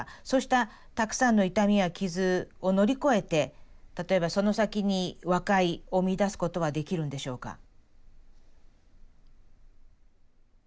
そうしたたくさんの痛みや傷を乗り越えて例えばその先に和解を見いだすことはできるんでしょうか？